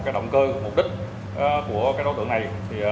còn động cơ mục đích của đối tượng này